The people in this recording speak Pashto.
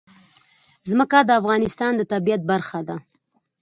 ځمکه د افغانستان د طبیعت برخه ده.